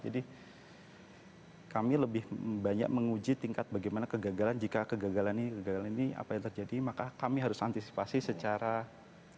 jadi kami lebih banyak menguji tingkat bagaimana kegagalan jika kegagalan ini apa yang terjadi maka kami harus antisipasi secara kontrol